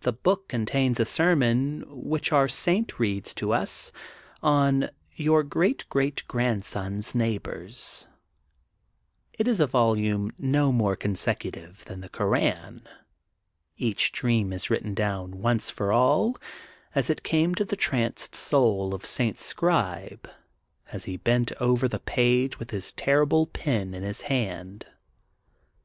The book contains a sermon, which our saint reads to us, on: Your great great grandson's neighbor's.*' It is a volume no more consecu tive than the Koran. Each dream is written down once for all as it came, to the tranced soul of St. Scribe, as he bent over the page, with his terrible pet in his hand.